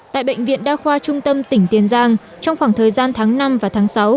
tại bệnh viện đa khoa trung tâm tỉnh tiền giang trong khoảng thời gian tháng năm và tháng sáu